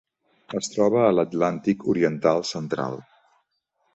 Es troba a l'Atlàntic oriental central.